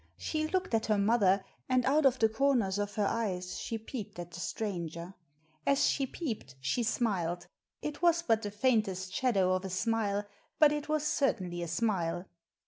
She looked at her mother, and out of the comers of her eyes she peeped at the stranger. As she peeped she smiled; it was but the faintest shadow of a smile, but it was certainly a smile.